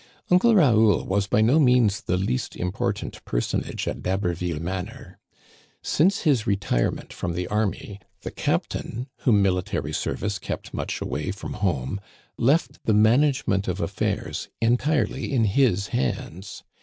Uncle Raoul was by no means the least important personage at D'Haberville manor. Since his retirement from the army, the captain, whom military service kept much away from home, left the management of affairs entirely in his hands.